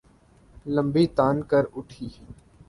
لمبی تان کر اُٹھی